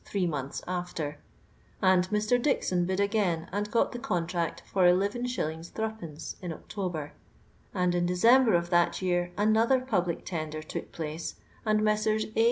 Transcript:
three months after, and Mr. Dixon bid again, and got the contract for lis. Zd, in October, and in December of that year another public tender took place, and Messrs. A.